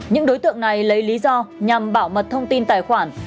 những đối tượng này lấy lý do nhằm bảo mật thông tin tài khoản